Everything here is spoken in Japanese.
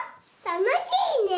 楽しいね。